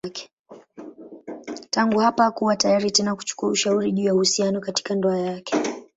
Tangu hapa hakuwa tayari tena kuchukua ushauri juu ya uhusiano katika ndoa yake.